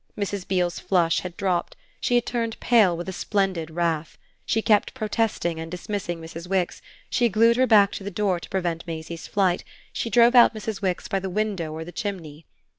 Mrs. Beale's flush had dropped; she had turned pale with a splendid wrath. She kept protesting and dismissing Mrs. Wix; she glued her back to the door to prevent Maisie's flight; she drove out Mrs. Wix by the window or the chimney.